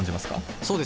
そうですね